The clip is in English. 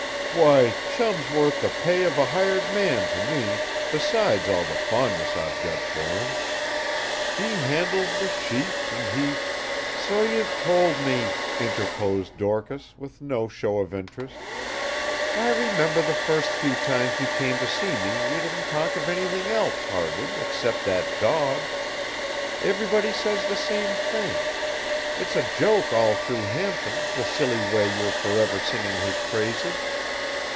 "Why, Chum's worth the pay of a hired man to me, besides all the fondness I've got for him! He handles the sheep, and he " "So you've told me," interposed Dorcas with no show of interest. "I remember the first few times you came to see me you didn't talk of anything else, hardly, except that dog. Everybody says the same thing. It's a joke all through Hampton, the silly way you're forever singing his praises."